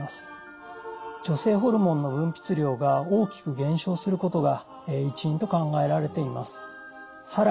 女性ホルモンの分泌量が大きく減少することが一因と考えられています。